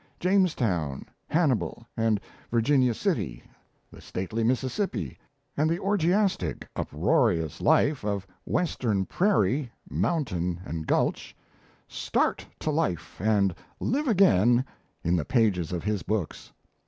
Jamestown, Hannibal, and Virginia City, the stately Mississippi, and the orgiastic, uproarious life of Western prairie, mountain, and gulch start to life and live again in the pages of his books.